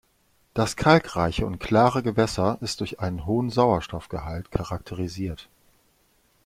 Das kalkreiche und klare Gewässer ist durch einen hohen Sauerstoffgehalt charakterisiert.